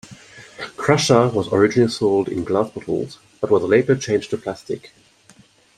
Crusha was originally sold in glass bottles, but was later changed to plastic.